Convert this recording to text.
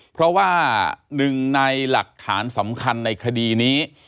เพราะว่าหนึ่งในหลักฐานสำคัญในคดีนี้